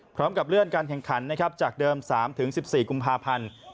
พร้อมกับเลื่อนการแข่งขันนะครับจากเดิม๓๑๔กุมภาพันธ์